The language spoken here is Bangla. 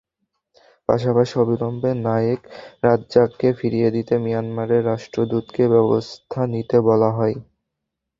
পাশাপাশি অবিলম্বে নায়েক রাজ্জাককে ফিরিয়ে দিতে মিয়ানমারের রাষ্ট্রদূতকে ব্যবস্থা নিতে বলা হয়।